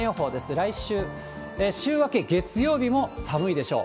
来週週明け月曜日も寒いでしょう。